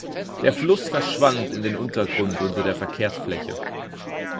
Der Fluss verschwand in den Untergrund unter der Verkehrsfläche.